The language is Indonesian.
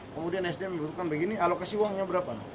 kemudian sdm membutuhkan begini alokasi uangnya berapa